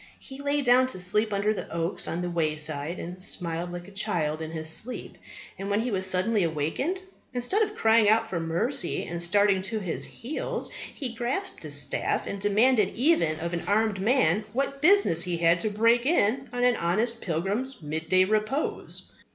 He lay down to sleep under the oaks on the wayside, and smiled like a child in his sleep. And, when he was suddenly awaked, instead of crying out for mercy and starting to his heels, he grasped his staff and demanded even of an armed man what business he had to break in on an honest pilgrim's midday repose!